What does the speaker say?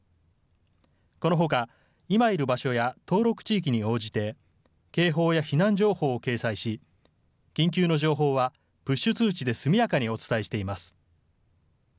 このほか、今いる場所や登録地域に応じて警報や避難情報を掲載し緊急の情報はプッシュ通知で速やかにお伝えしています。